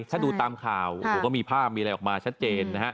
ถ้าดูตามข่าวก็มีภาพมีอะไรออกมาชัดเจน